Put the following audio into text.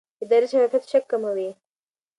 اداري شفافیت شک کموي